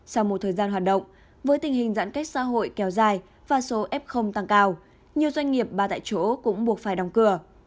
sau một thời gian hoạt động với tình hình giãn cách xã hội kéo dài và số f tăng cao nhiều doanh nghiệp ba tại chỗ cũng buộc phải đóng cửa